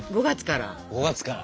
５月から？